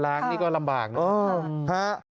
ล้างนี้ก็ลำบากนะครับ